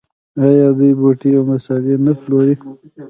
آیا دوی بوټي او مسالې نه پلوري؟